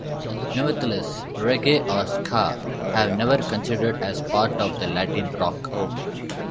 Nevertheless, Reggae or Ska have never considered as part of the Latin Rock.